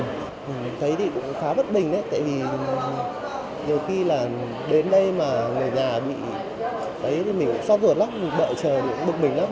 mình thấy thì cũng khá bất bình đấy tại vì nhiều khi là đến đây mà người nhà bị thấy thì mình cũng xót ruột lắm đợi chờ cũng bất bình lắm